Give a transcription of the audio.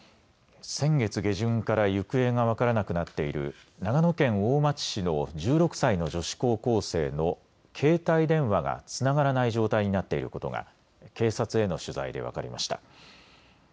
先月下旬から行方が分からなくなっている長野県大町市の１６歳の女子高校生の携帯電話がつながらない状態になっていることが警察への取材で分かりました。